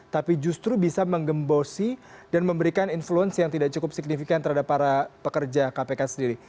tapi justru bisa menggembosi dan memberikan influence yang tidak cukup signifikan terhadap para pekerja kpk sendiri